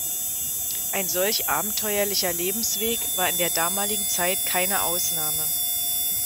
Ein solch abenteuerlicher Lebensweg war in der damaligen Zeit keine Ausnahme.